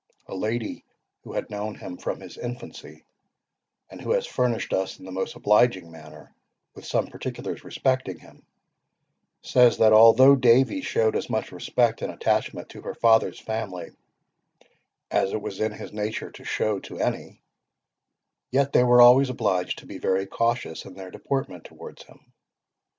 A lady who had known him from his infancy, and who has furnished us in the most obliging manner with some particulars respecting him, says, that although Davie showed as much respect and attachment to her father's family, as it was in his nature to show to any, yet they were always obliged to be very cautious in their deportment towards him.